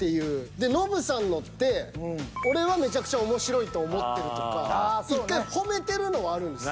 でノブさんのって「俺はめっちゃくちゃ面白いと思ってる」とか１回褒めてるのはあるんですよ。